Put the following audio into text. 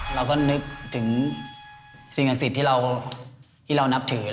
เราก็นึกถึงสิ่งอักษิตที่เรานับถือ